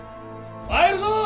参るぞ！